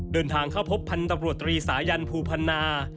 เดินทางเข้าพบพันธุ์ตำรวจตรีสายันภูพันนา